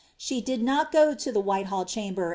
She did not go to the Whitehall chamber